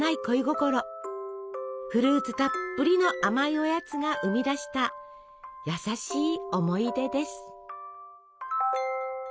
フルーツたっぷりの甘いおやつが生み出した優しい思い出です。